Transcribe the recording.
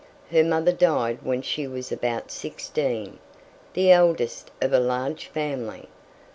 Her mother died when she was about sixteen the eldest of a large family.